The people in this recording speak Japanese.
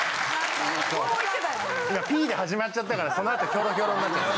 いやピーで始まっちゃったからその後ヒョロヒョロになっちゃった！